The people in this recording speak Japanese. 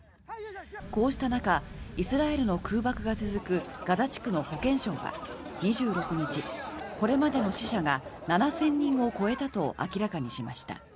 こうした中イスラエルの空爆が続くガザ地区の保健省は２６日、これまでの死者が７０００人を超えたと明らかにしました。